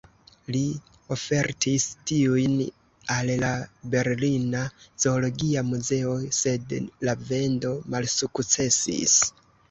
Li ofertis tiujn al la Berlina Zoologia Muzeo, sed la vendo malsukcesis.